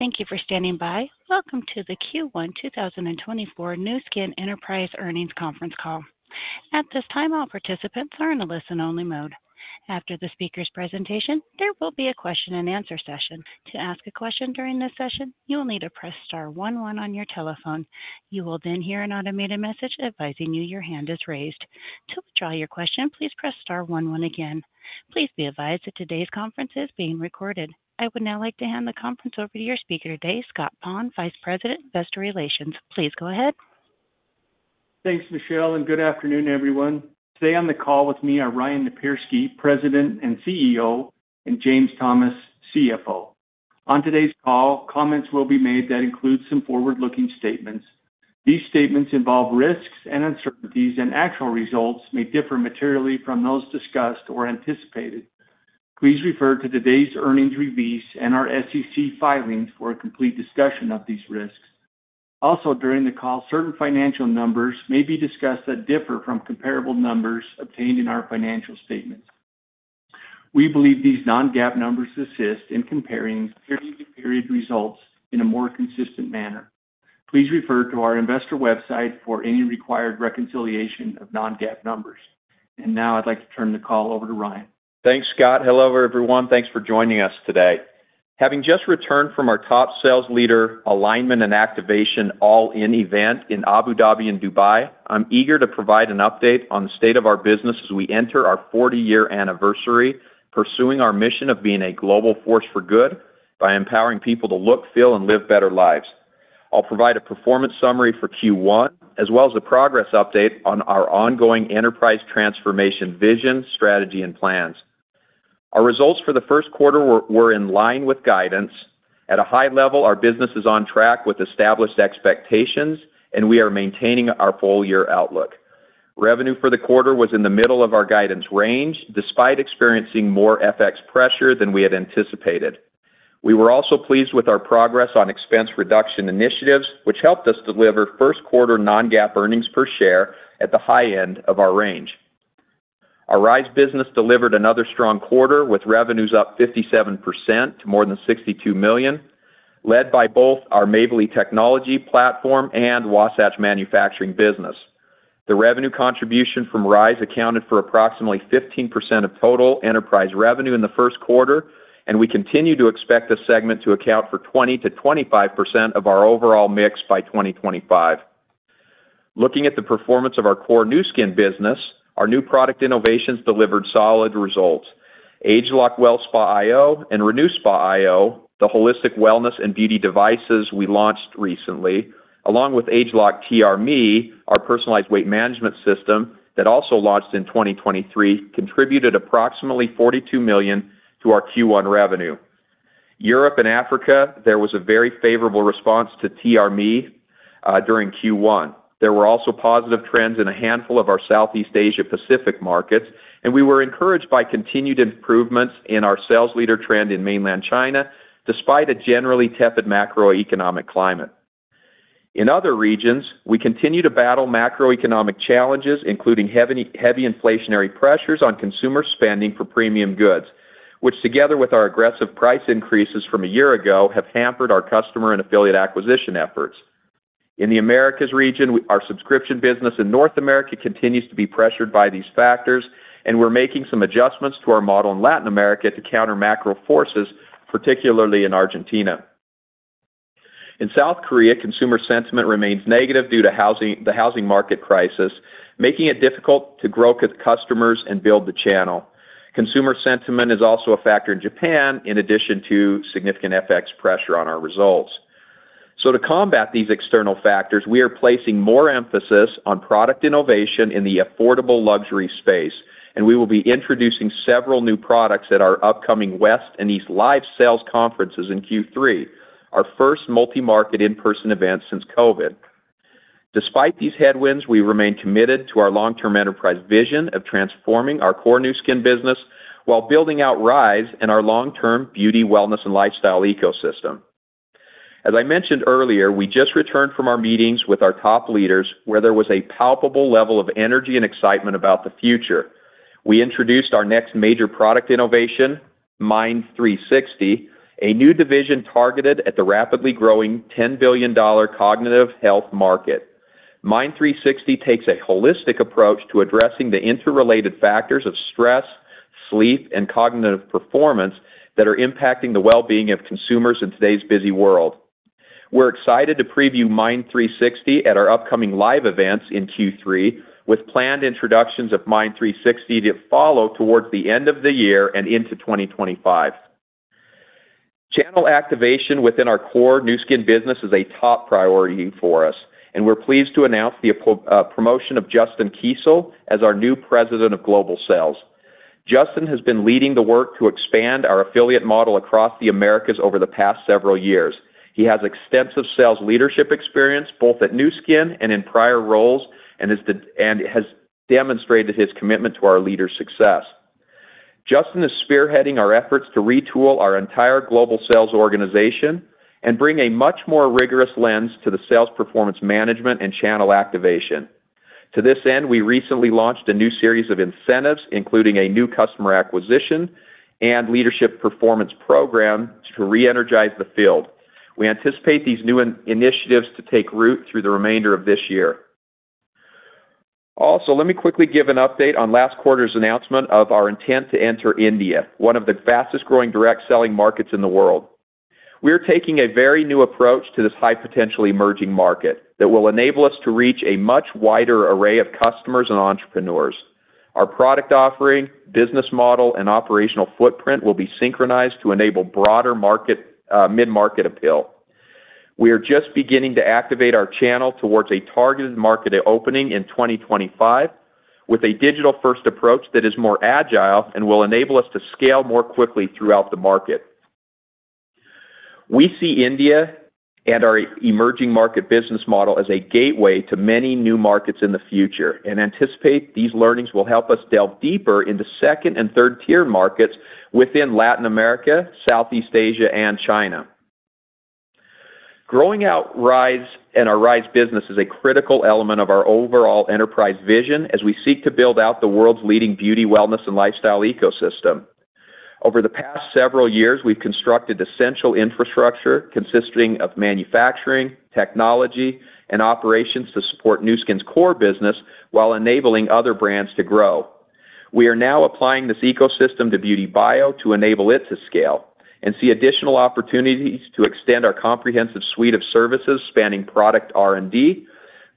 Thank you for standing by. Welcome to the Q1 2024 Nu Skin Enterprises earnings conference call. At this time, all participants are in a listen-only mode. After the speaker's presentation, there will be a question-and-answer session. To ask a question during this session, you will need to press star one one on your telephone. You will then hear an automated message advising you your hand is raised. To withdraw your question, please press star one one again. Please be advised that today's conference is being recorded. I would now like to hand the conference over to your speaker today, Scott Pond, Vice President, Investor Relations. Please go ahead. Thanks, Michelle, and good afternoon, everyone. Today on the call with me are Ryan Napierski, President and CEO, and James Thomas, CFO. On today's call, comments will be made that include some forward-looking statements. These statements involve risks and uncertainties, and actual results may differ materially from those discussed or anticipated. Please refer to today's earnings release and our SEC filings for a complete discussion of these risks. Also, during the call, certain financial numbers may be discussed that differ from comparable numbers obtained in our financial statements. We believe these non-GAAP numbers assist in comparing period-to-period results in a more consistent manner. Please refer to our investor website for any required reconciliation of non-GAAP numbers. And now I'd like to turn the call over to Ryan. Thanks, Scott. Hello everyone. Thanks for joining us today. Having just returned from our top sales leader, alignment and activation All-In event in Abu Dhabi and Dubai, I'm eager to provide an update on the state of our business as we enter our 40-year anniversary pursuing our mission of being a global force for good by empowering people to look, feel, and live better lives. I'll provide a performance summary for Q1, as well as a progress update on our ongoing enterprise transformation vision, strategy, and plans. Our results for the first quarter were in line with guidance. At a high level, our business is on track with established expectations, and we are maintaining our full-year outlook. Revenue for the quarter was in the middle of our guidance range, despite experiencing more FX pressure than we had anticipated. We were also pleased with our progress on expense reduction initiatives, which helped us deliver first-quarter non-GAAP earnings per share at the high end of our range. Our Rhyz business delivered another strong quarter with revenues up 57% to more than $62 million, led by both our Mavely technology platform and Wasatch manufacturing business. The revenue contribution from Rhyz accounted for approximately 15% of total enterprise revenue in the first quarter, and we continue to expect this segment to account for 20%-25% of our overall mix by 2025. Looking at the performance of our core Nu Skin business, our new product innovations delivered solid results. ageLOC WellSpa iO and RenuSpa iO, the holistic wellness and beauty devices we launched recently, along with ageLOC TRMe, our personalized weight management system that also launched in 2023, contributed approximately $42 million to our Q1 revenue. Europe and Africa, there was a very favorable response to TRMe during Q1. There were also positive trends in a handful of our Southeast Asia-Pacific markets, and we were encouraged by continued improvements in our sales leader trend in mainland China, despite a generally tepid macroeconomic climate. In other regions, we continue to battle macroeconomic challenges, including heavy inflationary pressures on consumer spending for premium goods, which together with our aggressive price increases from a year ago have hampered our customer and affiliate acquisition efforts. In the Americas region, our subscription business in North America continues to be pressured by these factors, and we're making some adjustments to our model in Latin America to counter macro forces, particularly in Argentina. In South Korea, consumer sentiment remains negative due to the housing market crisis, making it difficult to grow customers and build the channel. Consumer sentiment is also a factor in Japan, in addition to significant FX pressure on our results. So to combat these external factors, we are placing more emphasis on product innovation in the affordable luxury space, and we will be introducing several new products at our upcoming West and East Live Sales Conferences in Q3, our first multi-market in-person event since COVID. Despite these headwinds, we remain committed to our long-term enterprise vision of transforming our core Nu Skin business while building out Rhyz and our long-term beauty, wellness, and lifestyle ecosystem. As I mentioned earlier, we just returned from our meetings with our top leaders, where there was a palpable level of energy and excitement about the future. We introduced our next major product innovation, MYND360, a new division targeted at the rapidly growing $10 billion cognitive health market. MYND360 takes a holistic approach to addressing the interrelated factors of stress, sleep, and cognitive performance that are impacting the well-being of consumers in today's busy world. We're excited to preview MYND360 at our upcoming live events in Q3, with planned introductions of MYND360 to follow towards the end of the year and into 2025. Channel activation within our core Nu Skin business is a top priority for us, and we're pleased to announce the promotion of Justin Keisel as our new President of Global Sales. Justin has been leading the work to expand our affiliate model across the Americas over the past several years. He has extensive sales leadership experience both at Nu Skin and in prior roles and has demonstrated his commitment to our leader's success. Justin is spearheading our efforts to retool our entire global sales organization and bring a much more rigorous lens to the sales performance management and channel activation. To this end, we recently launched a new series of incentives, including a new customer acquisition and leadership performance program to re-energize the field. We anticipate these new initiatives to take root through the remainder of this year. Also, let me quickly give an update on last quarter's announcement of our intent to enter India, one of the fastest-growing direct selling markets in the world. We are taking a very new approach to this high-potential emerging market that will enable us to reach a much wider array of customers and entrepreneurs. Our product offering, business model, and operational footprint will be synchronized to enable broader mid-market appeal. We are just beginning to activate our channel towards a targeted market opening in 2025 with a digital-first approach that is more agile and will enable us to scale more quickly throughout the market. We see India and our emerging market business model as a gateway to many new markets in the future, and anticipate these learnings will help us delve deeper into second and third-tier markets within Latin America, Southeast Asia, and China. Growing out Rhyz and our Rhyz business is a critical element of our overall enterprise vision as we seek to build out the world's leading beauty, wellness, and lifestyle ecosystem. Over the past several years, we've constructed essential infrastructure consisting of manufacturing, technology, and operations to support Nu Skin's core business while enabling other brands to grow. We are now applying this ecosystem to BeautyBio to enable it to scale and see additional opportunities to extend our comprehensive suite of services spanning product R&D,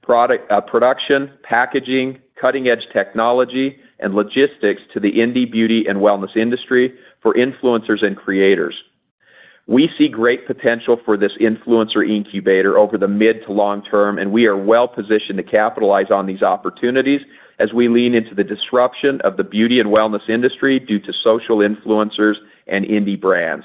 production, packaging, cutting-edge technology, and logistics to the indie beauty and wellness industry for influencers and creators. We see great potential for this influencer incubator over the mid to long term, and we are well-positioned to capitalize on these opportunities as we lean into the disruption of the beauty and wellness industry due to social influencers and indie brands.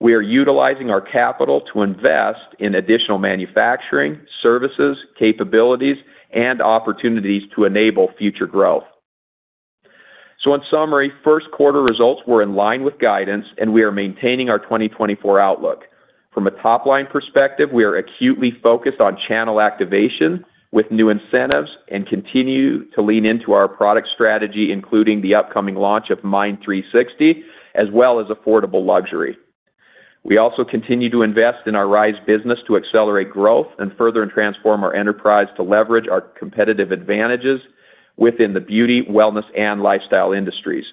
We are utilizing our capital to invest in additional manufacturing, services, capabilities, and opportunities to enable future growth. In summary, first-quarter results were in line with guidance, and we are maintaining our 2024 outlook. From a top-line perspective, we are acutely focused on channel activation with new incentives and continue to lean into our product strategy, including the upcoming launch of MYND360, as well as affordable luxury. We also continue to invest in our Rhyz business to accelerate growth and further transform our enterprise to leverage our competitive advantages within the beauty, wellness, and lifestyle industries.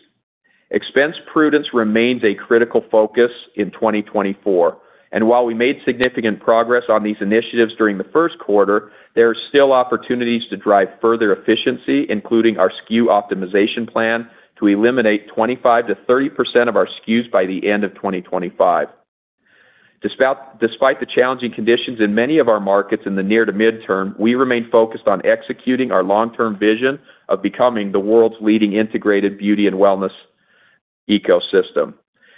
Expense prudence remains a critical focus in 2024, and while we made significant progress on these initiatives during the first quarter, there are still opportunities to drive further efficiency, including our SKU optimization plan to eliminate 25%-30% of our SKUs by the end of 2025. Despite the challenging conditions in many of our markets in the near to mid-term, we remain focused on executing our long-term vision of becoming the world's leading integrated beauty and wellness ecosystem.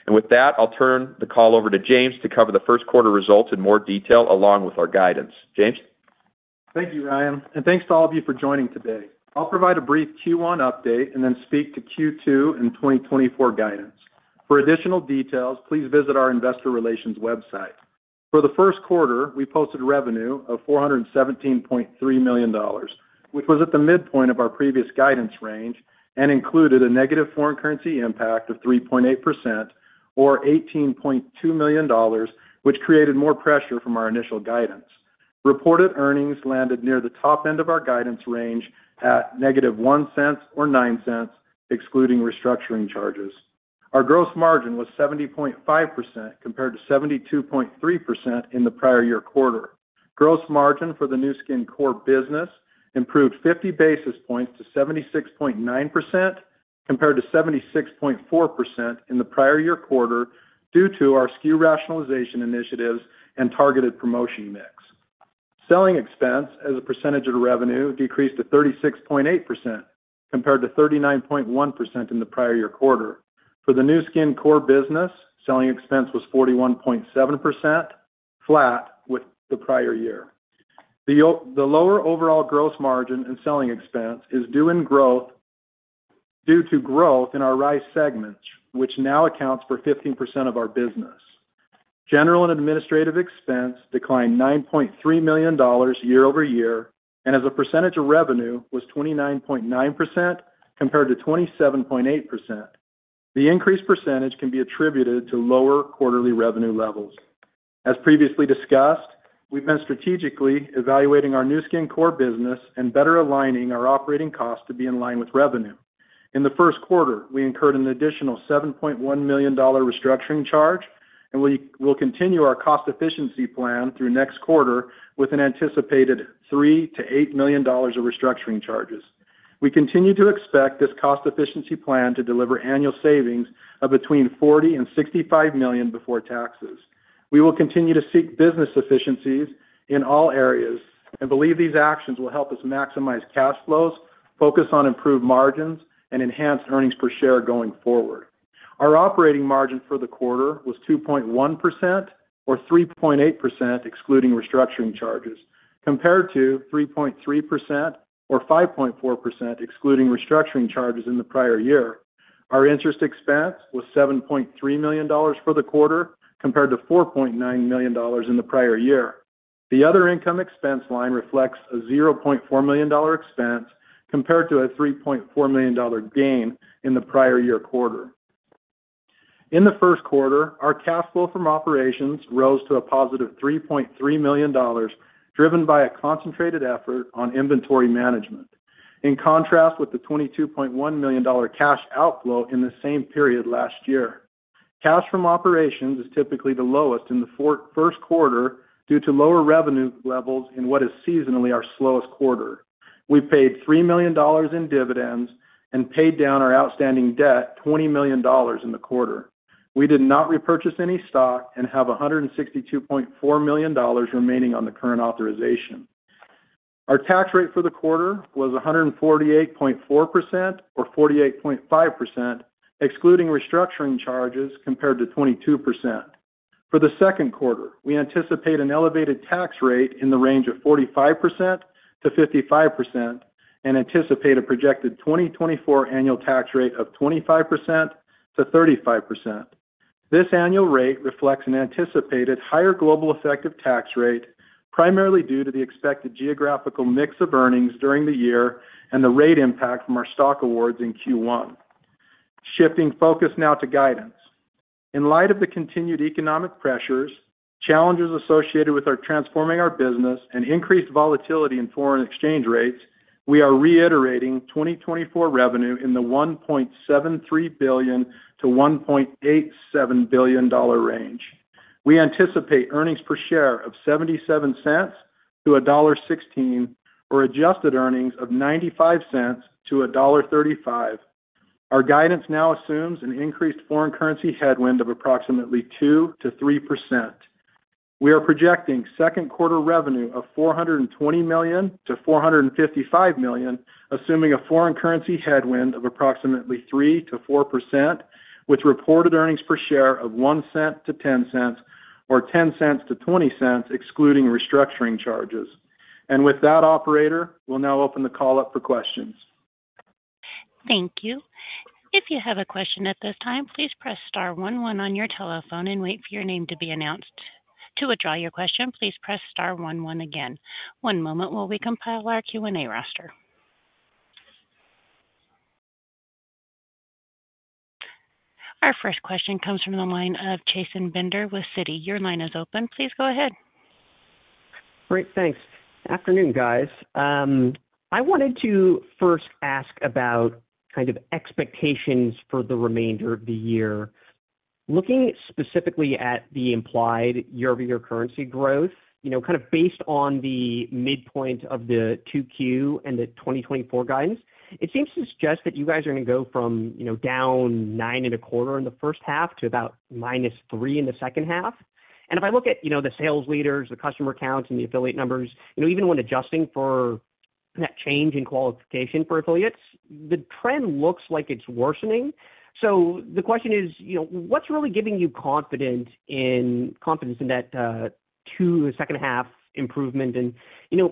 With that, I'll turn the call over to James to cover the first-quarter results in more detail along with our guidance. James? Thank you, Ryan, and thanks to all of you for joining today. I'll provide a brief Q1 update and then speak to Q2 and 2024 guidance. For additional details, please visit our investor relations website. For the first quarter, we posted revenue of $417.3 million, which was at the midpoint of our previous guidance range and included a negative foreign currency impact of 3.8% or $18.2 million, which created more pressure from our initial guidance. Reported earnings landed near the top end of our guidance range at -$0.01 or -$0.09, excluding restructuring charges. Our gross margin was 70.5% compared to 72.3% in the prior year quarter. Gross margin for the Nu Skin core business improved 50 basis points to 76.9% compared to 76.4% in the prior year quarter due to our SKU rationalization initiatives and targeted promotion mix. Selling expense, as a percentage of revenue, decreased to 36.8% compared to 39.1% in the prior year quarter. For the Nu Skin core business, selling expense was 41.7%, flat with the prior year. The lower overall gross margin and selling expense is due to growth in our Rhyz segments, which now accounts for 15% of our business. General and administrative expense declined $9.3 million year-over-year, and as a percentage of revenue, was 29.9% compared to 27.8%. The increased percentage can be attributed to lower quarterly revenue levels. As previously discussed, we've been strategically evaluating our Nu Skin core business and better aligning our operating costs to be in line with revenue. In the first quarter, we incurred an additional $7.1 million restructuring charge, and we'll continue our cost efficiency plan through next quarter with an anticipated $3 million-$8 million of restructuring charges. We continue to expect this cost efficiency plan to deliver annual savings of between $40 million and $65 million before taxes. We will continue to seek business efficiencies in all areas and believe these actions will help us maximize cash flows, focus on improved margins, and enhanced earnings per share going forward. Our operating margin for the quarter was 2.1% or 3.8%, excluding restructuring charges, compared to 3.3% or 5.4%, excluding restructuring charges, in the prior year. Our interest expense was $7.3 million for the quarter compared to $4.9 million in the prior year. The other income expense line reflects a $0.4 million expense compared to a $3.4 million gain in the prior year quarter. In the first quarter, our cash flow from operations rose to a positive $3.3 million, driven by a concentrated effort on inventory management, in contrast with the $22.1 million cash outflow in the same period last year. Cash from operations is typically the lowest in the first quarter due to lower revenue levels in what is seasonally our slowest quarter. We paid $3 million in dividends and paid down our outstanding debt $20 million in the quarter. We did not repurchase any stock and have $162.4 million remaining on the current authorization. Our tax rate for the quarter was 148.4% or 48.5%, excluding restructuring charges, compared to 22%. For the second quarter, we anticipate an elevated tax rate in the range of 45%-55% and anticipate a projected 2024 annual tax rate of 25%-35%. This annual rate reflects an anticipated higher global effective tax rate, primarily due to the expected geographical mix of earnings during the year and the rate impact from our stock awards in Q1. Shifting focus now to guidance. In light of the continued economic pressures, challenges associated with transforming our business, and increased volatility in foreign exchange rates, we are reiterating 2024 revenue in the $1.73 billion-$1.87 billion range. We anticipate earnings per share of $0.77-$1.16 or adjusted earnings of $0.95-$1.35. Our guidance now assumes an increased foreign currency headwind of approximately 2%-3%. We are projecting second-quarter revenue of $420 million-$455 million, assuming a foreign currency headwind of approximately 3%-4%, with reported earnings per share of $0.01-$0.10 or $0.10-$0.20, excluding restructuring charges. With that, operator, we'll now open the call up for questions. Thank you. If you have a question at this time, please press star one one on your telephone and wait for your name to be announced. To withdraw your question, please press star one one again. One moment while we compile our Q&A roster. Our first question comes from the line of Chasen Bender with Citi. Your line is open. Please go ahead. Great. Thanks. Afternoon, guys. I wanted to first ask about kind of expectations for the remainder of the year. Looking specifically at the implied year-over-year currency growth, kind of based on the midpoint of the 2Q and the 2024 guidance, it seems to suggest that you guys are going to go from down 9.25% in the first half to about -3% in the second half. And if I look at the sales leaders, the customer counts, and the affiliate numbers, even when adjusting for that change in qualification for affiliates, the trend looks like it's worsening. So the question is, what's really giving you confidence in that second-half improvement? And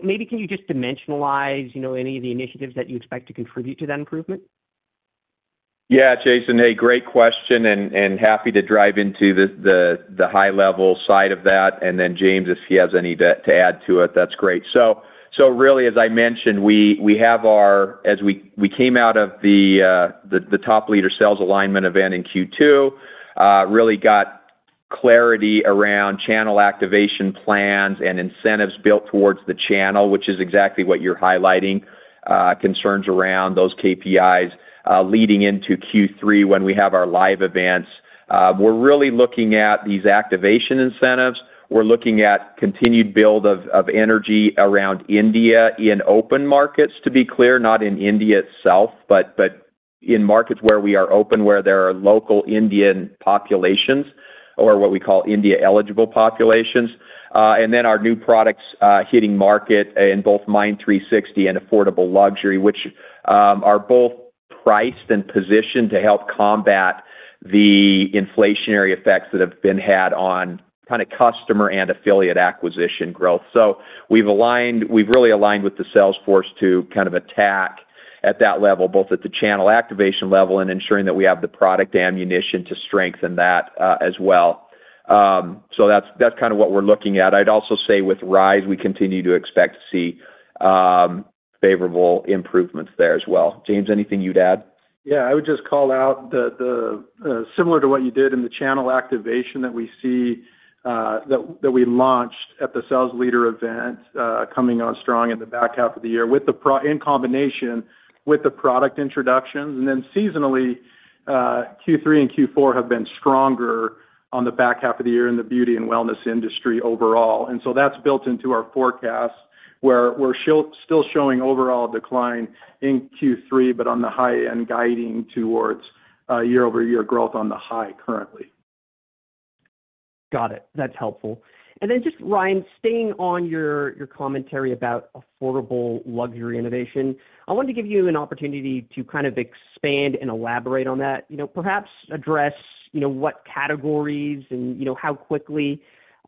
maybe can you just dimensionalize any of the initiatives that you expect to contribute to that improvement? Yeah, Chasen, hey, great question, and happy to dive into the high-level side of that. And then James, if he has any to add to it, that's great. So really, as I mentioned, we have, as we came out of the top-leader sales alignment event in Q2, really got clarity around channel activation plans and incentives built towards the channel, which is exactly what you're highlighting, concerns around those KPIs leading into Q3 when we have our live events. We're really looking at these activation incentives. We're looking at continued build of energy around India in open markets, to be clear, not in India itself, but in markets where we are open, where there are local Indian populations or what we call India-eligible populations. And then our new products hitting market in both MYND360 and affordable luxury, which are both priced and positioned to help combat the inflationary effects that have been had on kind of customer and affiliate acquisition growth. So we've really aligned with the sales force to kind of attack at that level, both at the channel activation level and ensuring that we have the product ammunition to strengthen that as well. So that's kind of what we're looking at. I'd also say with Rhyz, we continue to expect to see favorable improvements there as well. James, anything you'd add? Yeah. I would just call out, similar to what you did in the channel activation that we see that we launched at the sales leader event coming on strong in the back half of the year, in combination with the product introductions. And then seasonally, Q3 and Q4 have been stronger on the back half of the year in the beauty and wellness industry overall. And so that's built into our forecast, where we're still showing overall decline in Q3, but on the high end, guiding towards year-over-year growth on the high currently. Got it. That's helpful. And then just, Ryan, staying on your commentary about affordable luxury innovation, I wanted to give you an opportunity to kind of expand and elaborate on that, perhaps address what categories and how quickly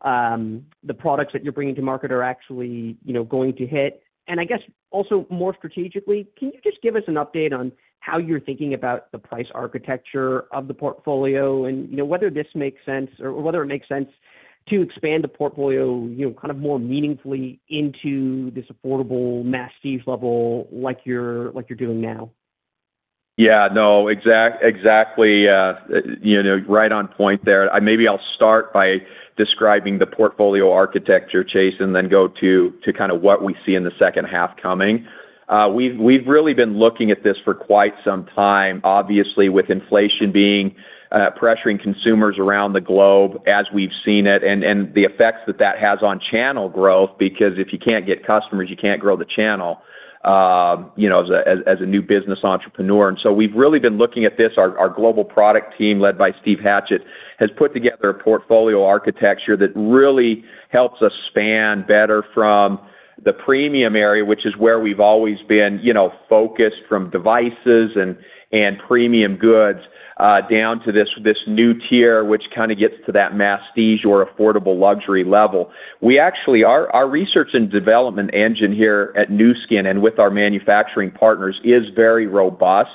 the products that you're bringing to market are actually going to hit. And I guess also more strategically, can you just give us an update on how you're thinking about the price architecture of the portfolio and whether this makes sense or whether it makes sense to expand the portfolio kind of more meaningfully into this affordable masstige level like you're doing now? Yeah. No, exactly right on point there. Maybe I'll start by describing the portfolio architecture, Chasen, and then go to kind of what we see in the second half coming. We've really been looking at this for quite some time, obviously, with inflation pressuring consumers around the globe as we've seen it and the effects that that has on channel growth because if you can't get customers, you can't grow the channel as a new business entrepreneur. And so we've really been looking at this. Our global product team, led by Steve Hatchett, has put together a portfolio architecture that really helps us span better from the premium area, which is where we've always been focused from devices and premium goods, down to this new tier, which kind of gets to that masstige or affordable luxury level. Our research and development engine here at Nu Skin and with our manufacturing partners is very robust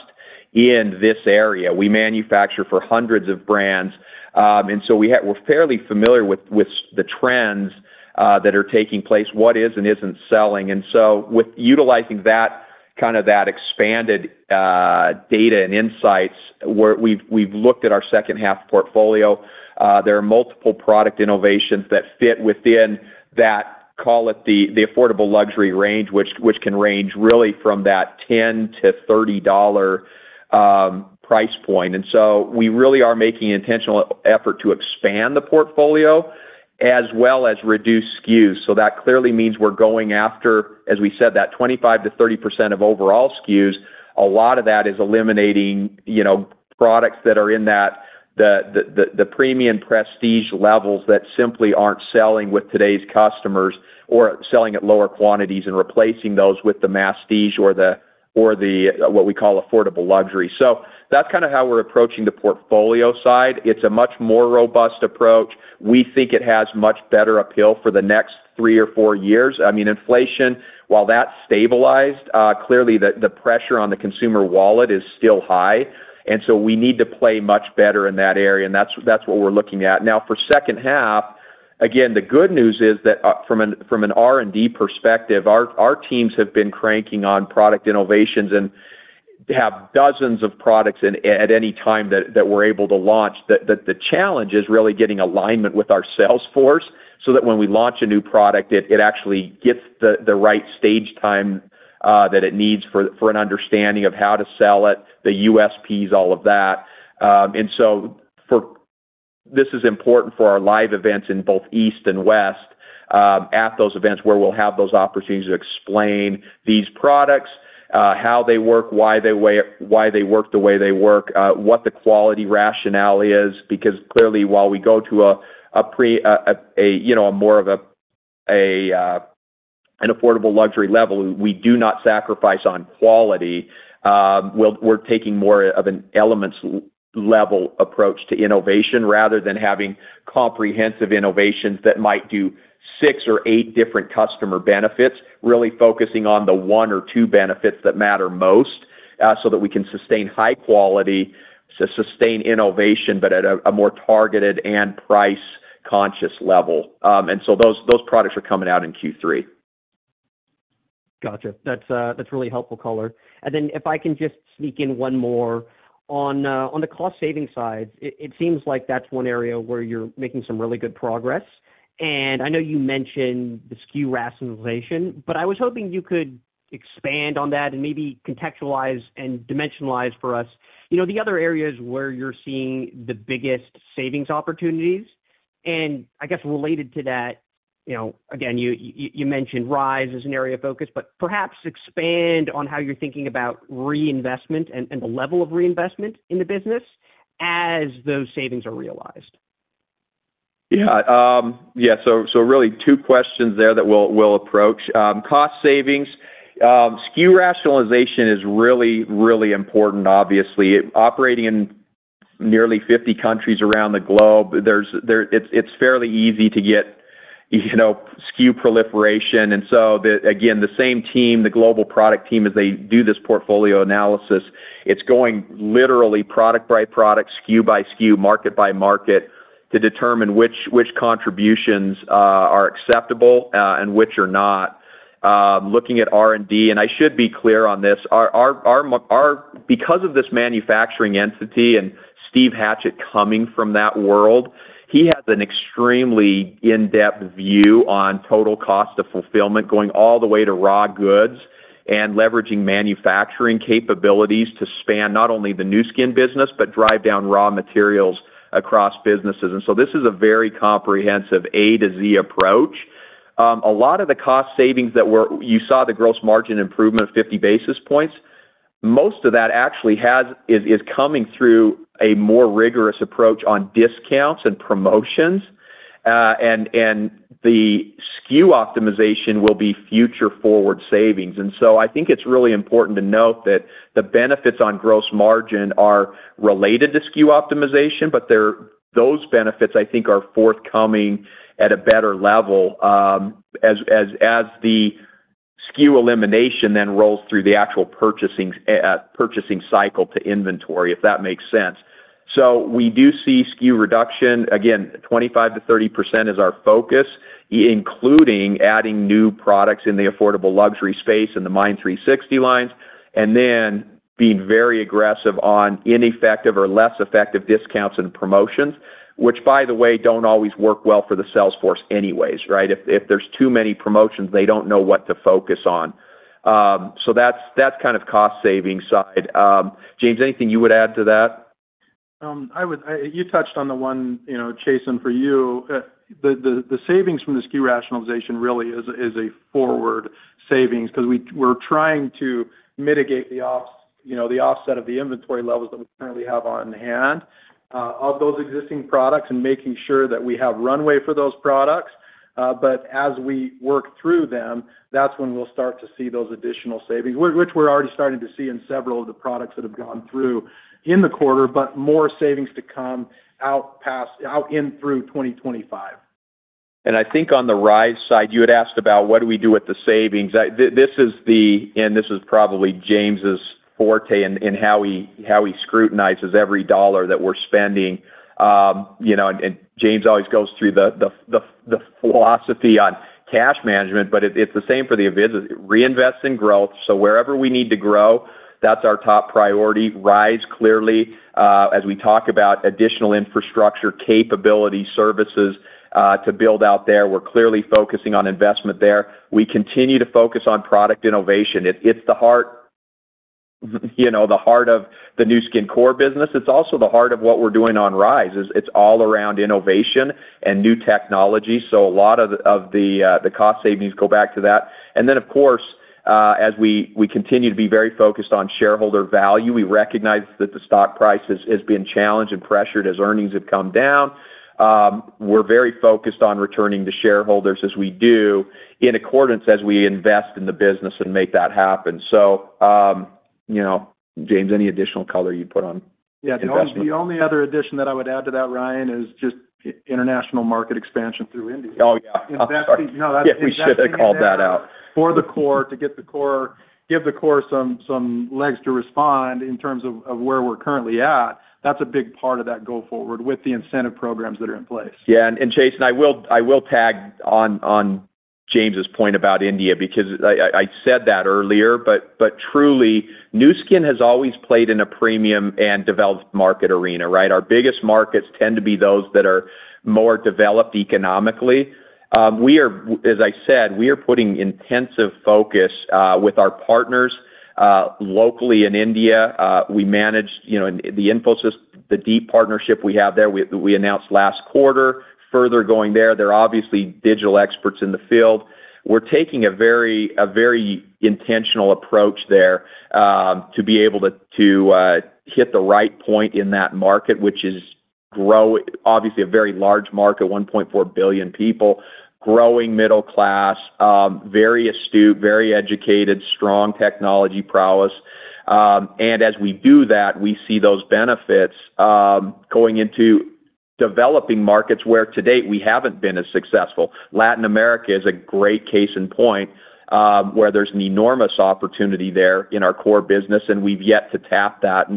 in this area. We manufacture for hundreds of brands, and so we're fairly familiar with the trends that are taking place, what is and isn't selling. And so utilizing kind of that expanded data and insights, we've looked at our second-half portfolio. There are multiple product innovations that fit within that, call it the affordable luxury range, which can range really from that $10-$30 price point. And so we really are making an intentional effort to expand the portfolio as well as reduce SKUs. So that clearly means we're going after, as we said, that 25%-30% of overall SKUs. A lot of that is eliminating products that are in the premium prestige levels that simply aren't selling with today's customers or selling at lower quantities and replacing those with the masstige or what we call affordable luxury. So that's kind of how we're approaching the portfolio side. It's a much more robust approach. We think it has much better appeal for the next three or four years. I mean, inflation, while that stabilized, clearly, the pressure on the consumer wallet is still high. And so we need to play much better in that area, and that's what we're looking at. Now, for second half, again, the good news is that from an R&D perspective, our teams have been cranking on product innovations and have dozens of products at any time that we're able to launch. The challenge is really getting alignment with our sales force so that when we launch a new product, it actually gets the right stage time that it needs for an understanding of how to sell it, the USPs, all of that. And so this is important for our live events in both East and West, at those events where we'll have those opportunities to explain these products, how they work, why they work the way they work, what the quality rationale is. Because clearly, while we go to a more of an affordable luxury level, we do not sacrifice on quality. We're taking more of an elements-level approach to innovation rather than having comprehensive innovations that might do six or eight different customer benefits, really focusing on the one or two benefits that matter most so that we can sustain high quality, sustain innovation, but at a more targeted and price-conscious level. And so those products are coming out in Q3. Gotcha. That's really helpful color. And then if I can just sneak in one more, on the cost-saving side, it seems like that's one area where you're making some really good progress. And I know you mentioned the SKU rationalization, but I was hoping you could expand on that and maybe contextualize and dimensionalize for us the other areas where you're seeing the biggest savings opportunities. And I guess related to that, again, you mentioned Rhyz as an area of focus, but perhaps expand on how you're thinking about reinvestment and the level of reinvestment in the business as those savings are realized. Yeah. Yeah. So really, two questions there that we'll approach. Cost savings, SKU rationalization is really, really important, obviously. Operating in nearly 50 countries around the globe, it's fairly easy to get SKU proliferation. And so again, the same team, the global product team, as they do this portfolio analysis, it's going literally product by product, SKU by SKU, market by market to determine which contributions are acceptable and which are not. Looking at R&D, and I should be clear on this, because of this manufacturing entity and Steve Hatchett coming from that world, he has an extremely in-depth view on total cost of fulfillment, going all the way to raw goods and leveraging manufacturing capabilities to span not only the Nu Skin business but drive down raw materials across businesses. And so this is a very comprehensive A to Z approach. A lot of the cost savings that you saw the gross margin improvement of 50 basis points. Most of that actually is coming through a more rigorous approach on discounts and promotions. The SKU optimization will be future-forward savings. So I think it's really important to note that the benefits on gross margin are related to SKU optimization, but those benefits, I think, are forthcoming at a better level as the SKU elimination then rolls through the actual purchasing cycle to inventory, if that makes sense. We do see SKU reduction. Again, 25%-30% is our focus, including adding new products in the affordable luxury space and the MYND360 lines, and then being very aggressive on ineffective or less effective discounts and promotions, which, by the way, don't always work well for the sales force anyways, right? If there's too many promotions, they don't know what to focus on. So that's kind of cost-saving side. James, anything you would add to that? You touched on the one, Chasen, for you. The savings from the SKU rationalization really is a forward savings because we're trying to mitigate the offset of the inventory levels that we currently have on hand of those existing products and making sure that we have runway for those products. But as we work through them, that's when we'll start to see those additional savings, which we're already starting to see in several of the products that have gone through in the quarter, but more savings to come in through 2025. I think on the Rhyz side, you had asked about what do we do with the savings. This is probably James's forte in how he scrutinizes every dollar that we're spending. James always goes through the philosophy on cash management, but it's the same for the Rhyz. Reinvest in growth. So wherever we need to grow, that's our top priority. Rhyz, clearly, as we talk about additional infrastructure capability services to build out there, we're clearly focusing on investment there. We continue to focus on product innovation. It's the heart of the Nu Skin core business. It's also the heart of what we're doing on Rhyz. It's all around innovation and new technology. So a lot of the cost savings go back to that. And then, of course, as we continue to be very focused on shareholder value, we recognize that the stock price has been challenged and pressured as earnings have come down. We're very focused on returning to shareholders as we do in accordance as we invest in the business and make that happen. So, James, any additional color you'd put on investing? Yeah. The only other addition that I would add to that, Ryan, is just international market expansion through India. Investing— Oh, yeah. No, that's exactly. Yeah, we should have called that out. For the core, to give the core some legs to respond in terms of where we're currently at, that's a big part of that go forward with the incentive programs that are in place. Yeah. And Chasen, I will tag on James' point about India because I said that earlier, but truly, Nu Skin has always played in a premium and developed market arena, right? Our biggest markets tend to be those that are more developed economically. As I said, we are putting intensive focus with our partners locally in India. We managed the Infosys, the deep partnership we have there, we announced last quarter. Further going there, they're obviously digital experts in the field. We're taking a very intentional approach there to be able to hit the right point in that market, which is grow, obviously, a very large market, 1.4 billion people, growing middle class, very astute, very educated, strong technology prowess. And as we do that, we see those benefits going into developing markets where to date, we haven't been as successful. Latin America is a great case in point where there's an enormous opportunity there in our core business, and we've yet to tap that.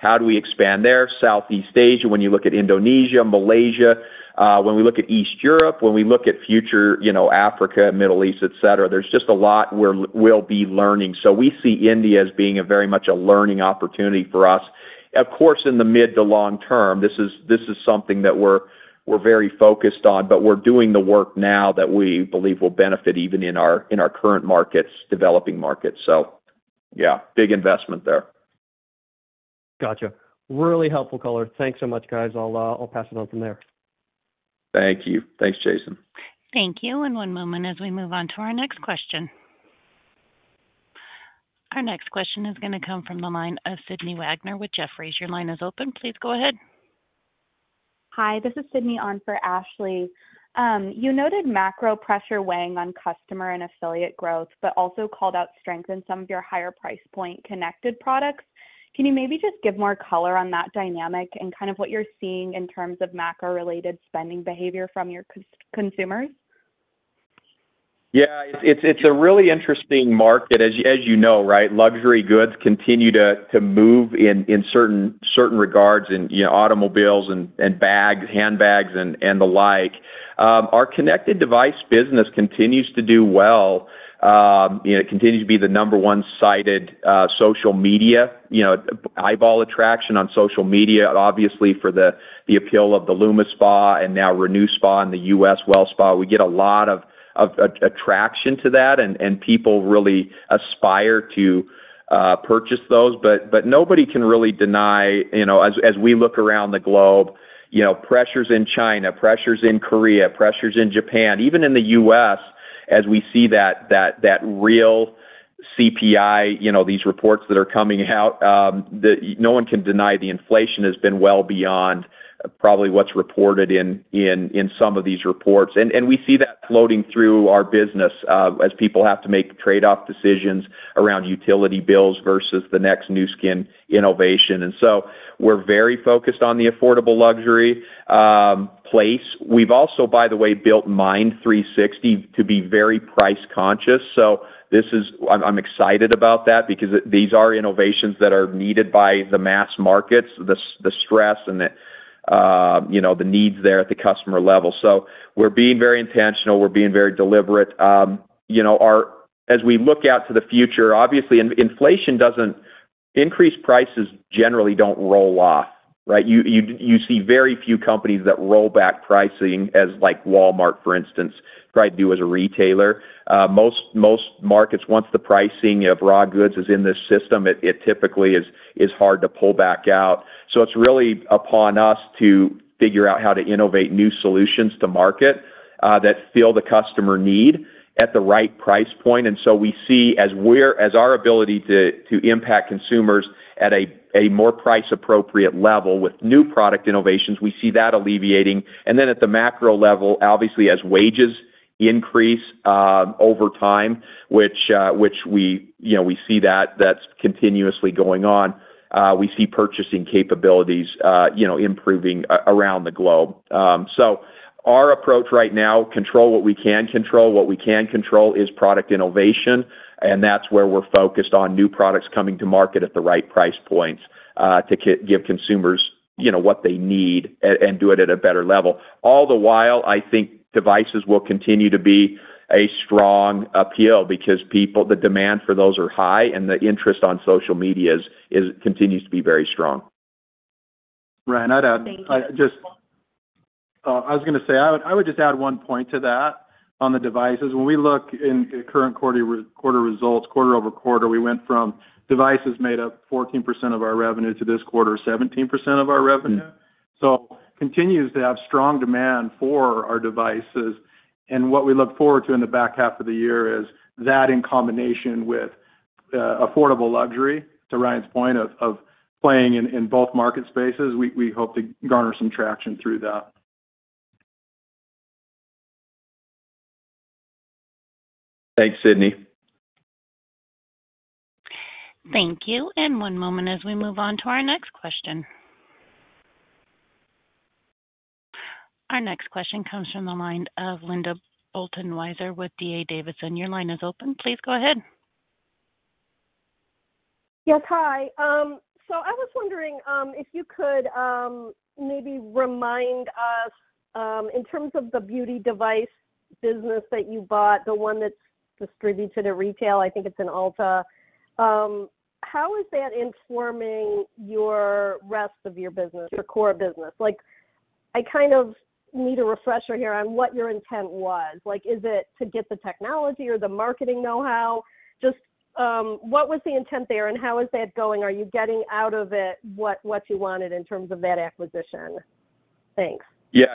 How do we expand there? Southeast Asia, when you look at Indonesia, Malaysia, when we look at East Europe, when we look at future Africa, Middle East, etc. There's just a lot we'll be learning. So we see India as being very much a learning opportunity for us. Of course, in the mid to long term, this is something that we're very focused on, but we're doing the work now that we believe will benefit even in our current markets, developing markets. So yeah, big investment there. Gotcha. Really helpful color. Thanks so much, guys. I'll pass it on from there. Thank you. Thanks, Chasen. Thank you. And one moment as we move on to our next question. Our next question is going to come from the line of Sydney Wagner with Jefferies. Your line is open. Please go ahead. Hi. This is Sydney on for Ashley. You noted macro pressure weighing on customer and affiliate growth, but also called out strength in some of your higher price point connected products. Can you maybe just give more color on that dynamic and kind of what you're seeing in terms of macro-related spending behavior from your consumers? Yeah. It's a really interesting market, as you know, right? Luxury goods continue to move in certain regards, and automobiles and bags, handbags, and the like. Our connected device business continues to do well. It continues to be the number one-sided social media eyeball attraction on social media, obviously, for the appeal of the LumiSpa and now RenuSpa in the U.S., WellSpa. We get a lot of attraction to that, and people really aspire to purchase those. But nobody can really deny, as we look around the globe, pressures in China, pressures in Korea, pressures in Japan, even in the U.S., as we see that real CPI, these reports that are coming out, no one can deny the inflation has been well beyond probably what's reported in some of these reports. We see that floating through our business as people have to make trade-off decisions around utility bills versus the next Nu Skin innovation. So we're very focused on the affordable luxury place. We've also, by the way, built MYND360 to be very price-conscious. So I'm excited about that because these are innovations that are needed by the mass markets, the stress, and the needs there at the customer level. So we're being very intentional. We're being very deliberate. As we look out to the future, obviously, inflation doesn't increase prices. Generally don't roll off, right? You see very few companies that roll back pricing, as Walmart, for instance, tried to do as a retailer. Most markets, once the pricing of raw goods is in this system, it typically is hard to pull back out. So it's really upon us to figure out how to innovate new solutions to market that fill the customer need at the right price point. And so we see as our ability to impact consumers at a more price-appropriate level with new product innovations, we see that alleviating. And then at the macro level, obviously, as wages increase over time, which we see that's continuously going on, we see purchasing capabilities improving around the globe. So our approach right now, control what we can control. What we can control is product innovation, and that's where we're focused on new products coming to market at the right price points to give consumers what they need and do it at a better level. All the while, I think devices will continue to be a strong appeal because the demand for those are high and the interest on social media continues to be very strong. Ryan, I'd add. Thank you. I was going to say I would just add one point to that on the devices. When we look in current quarter results, quarter-over-quarter, we went from devices made up 14% of our revenue to this quarter, 17% of our revenue. So continues to have strong demand for our devices. And what we look forward to in the back half of the year is that in combination with affordable luxury, to Ryan's point, of playing in both market spaces, we hope to garner some traction through that. Thanks, Sydney. Thank you. One moment as we move on to our next question. Our next question comes from the line of Linda Bolton Weiser with D.A. Davidson. Your line is open. Please go ahead. Yes. Hi. So I was wondering if you could maybe remind us in terms of the beauty device business that you bought, the one that's distributed to retail, I think it's an Ulta, how is that informing the rest of your business, your core business? I kind of need a refresher here on what your intent was. Is it to get the technology or the marketing know-how? Just what was the intent there and how is that going? Are you getting out of it what you wanted in terms of that acquisition? Thanks. Yeah.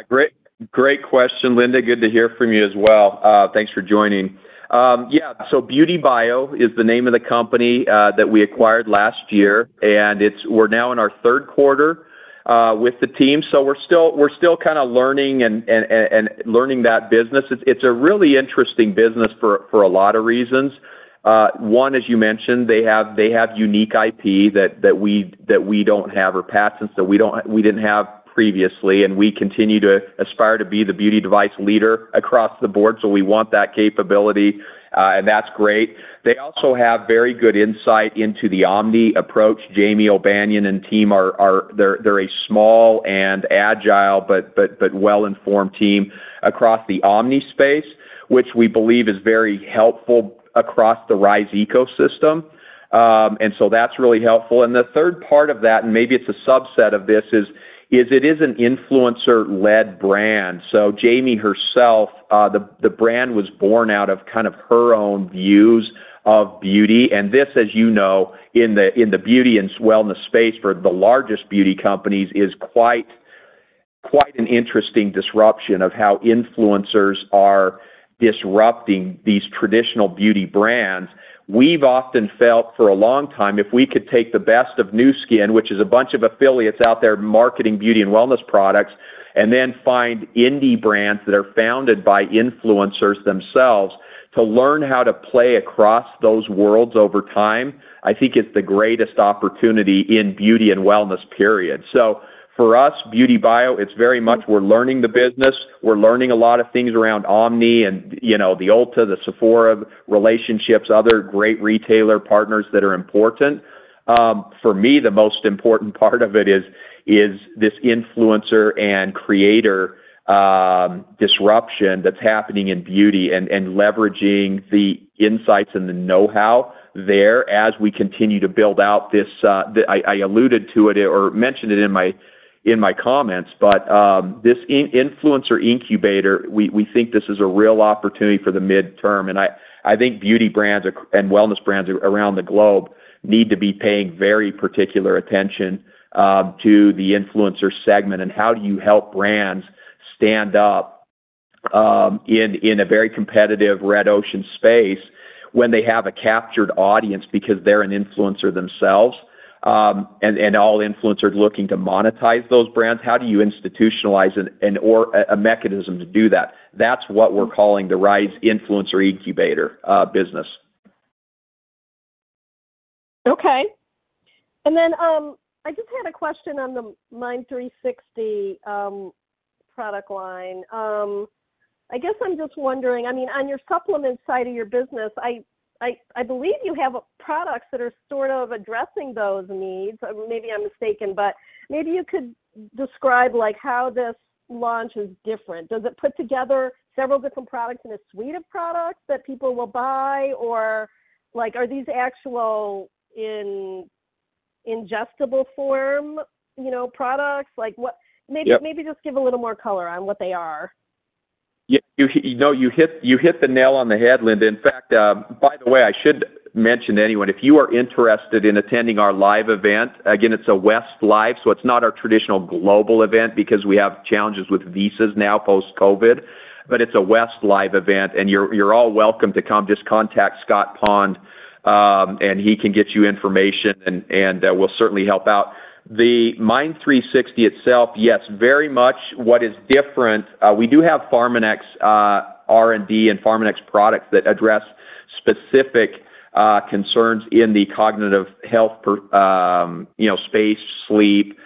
Great question, Linda. Good to hear from you as well. Thanks for joining. Yeah. So BeautyBio is the name of the company that we acquired last year, and we're now in our third quarter with the team. So we're still kind of learning that business. It's a really interesting business for a lot of reasons. One, as you mentioned, they have unique IP that we don't have or patents that we didn't have previously, and we continue to aspire to be the beauty device leader across the board. So we want that capability, and that's great. They also have very good insight into the omni approach. Jamie O'Banion and team, they're a small and agile but well-informed team across the omni space, which we believe is very helpful across the Rhyz ecosystem. And so that's really helpful. And the third part of that, and maybe it's a subset of this, is it is an influencer-led brand. So Jamie herself, the brand was born out of kind of her own views of beauty. And this, as you know, in the beauty and wellness space for the largest beauty companies is quite an interesting disruption of how influencers are disrupting these traditional beauty brands. We've often felt for a long time, if we could take the best of Nu Skin, which is a bunch of affiliates out there marketing beauty and wellness products, and then find indie brands that are founded by influencers themselves to learn how to play across those worlds over time, I think it's the greatest opportunity in beauty and wellness, period. So for us, BeautyBio, it's very much we're learning the business. We're learning a lot of things around omni: the Ulta, the Sephora relationships, other great retailer partners that are important. For me, the most important part of it is this influencer and creator disruption that's happening in beauty and leveraging the insights and the know-how there as we continue to build out this. I alluded to it or mentioned it in my comments, but this influencer incubator, we think this is a real opportunity for the midterm. And I think beauty brands and wellness brands around the globe need to be paying very particular attention to the influencer segment and how do you help brands stand up in a very competitive Red Ocean space when they have a captured audience because they're an influencer themselves and all influencers looking to monetize those brands? How do you institutionalize a mechanism to do that? That's what we're calling the Rhyz influencer incubator business. Okay. And then I just had a question on the MYND360 product line. I guess I'm just wondering, I mean, on your supplement side of your business, I believe you have products that are sort of addressing those needs. Maybe I'm mistaken, but maybe you could describe how this launch is different. Does it put together several different products in a suite of products that people will buy, or are these actual ingestible form products? Maybe just give a little more color on what they are? No, you hit the nail on the head, Linda. In fact, by the way, I should mention to anyone, if you are interested in attending our live event, again, it's a West Live, so it's not our traditional global event because we have challenges with visas now post-COVID, but it's a West Live event, and you're all welcome to come. Just contact Scott Pond, and he can get you information, and we'll certainly help out. The MYND360 itself, yes, very much what is different. We do have Pharmanex R&D and Pharmanex products that address specific concerns in the cognitive health space, sleep,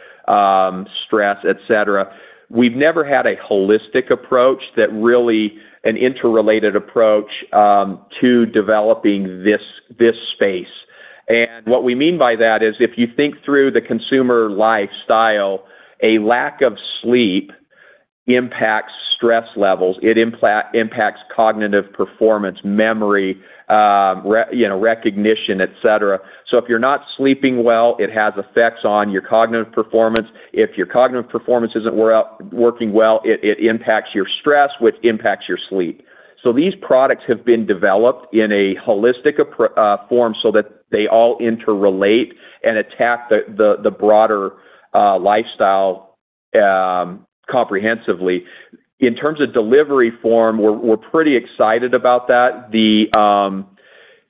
stress, etc. We've never had a holistic approach that really an interrelated approach to developing this space. And what we mean by that is if you think through the consumer lifestyle, a lack of sleep impacts stress levels. It impacts cognitive performance, memory, recognition, etc. So if you're not sleeping well, it has effects on your cognitive performance. If your cognitive performance isn't working well, it impacts your stress, which impacts your sleep. So these products have been developed in a holistic form so that they all interrelate and attack the broader lifestyle comprehensively. In terms of delivery form, we're pretty excited about that.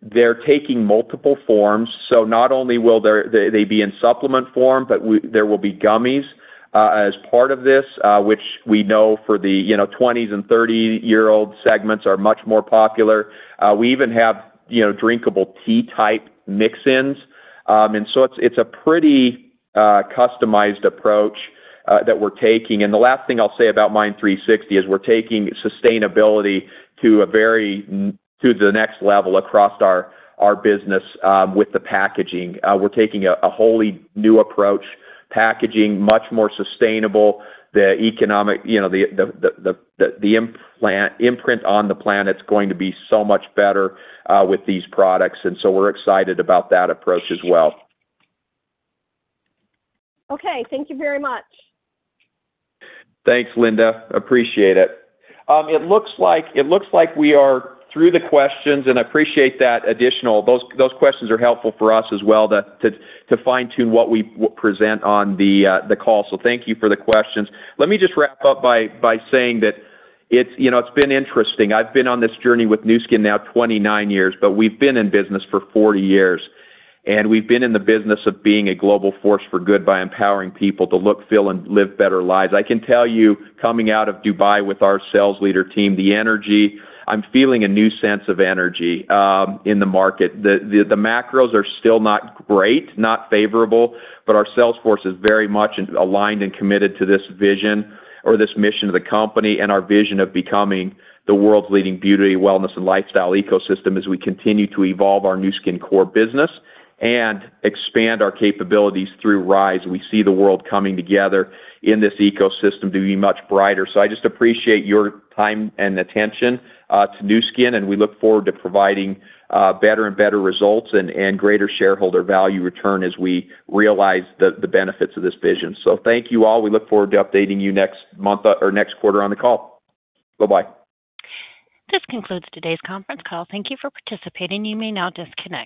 They're taking multiple forms. So not only will they be in supplement form, but there will be gummies as part of this, which we know for the 20s and 30-year-old segments are much more popular. We even have drinkable tea-type mix-ins. And so it's a pretty customized approach that we're taking. And the last thing I'll say about MYND360 is we're taking sustainability to the next level across our business with the packaging. We're taking a wholly new approach, packaging much more sustainable. The imprint on the planet's going to be so much better with these products. We're excited about that approach as well. Okay. Thank you very much. Thanks, Linda. Appreciate it. It looks like we are through the questions, and I appreciate that additional. Those questions are helpful for us as well to fine-tune what we present on the call. So thank you for the questions. Let me just wrap up by saying that it's been interesting. I've been on this journey with Nu Skin now 29 years, but we've been in business for 40 years. And we've been in the business of being a global force for good by empowering people to look, feel, and live better lives. I can tell you, coming out of Dubai with our sales leader team, the energy, I'm feeling a new sense of energy in the market. The macros are still not great, not favorable, but our sales force is very much aligned and committed to this vision or this mission of the company and our vision of becoming the world's leading beauty, wellness, and lifestyle ecosystem as we continue to evolve our Nu Skin core business and expand our capabilities through Rhyz. We see the world coming together in this ecosystem to be much brighter. So I just appreciate your time and attention to Nu Skin, and we look forward to providing better and better results and greater shareholder value return as we realize the benefits of this vision. So thank you all. We look forward to updating you next month or next quarter on the call. Bye-bye. This concludes today's conference call. Thank you for participating. You may now disconnect.